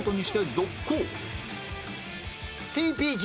ＴＰＧ。